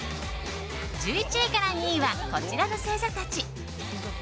１１位から２位はこちらの星座たち。